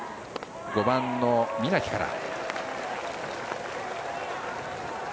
５番の双木から。